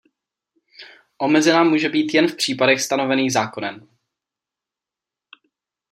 Omezena může být jen v případech stanovených zákonem.